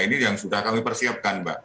ini yang sudah kami persiapkan mbak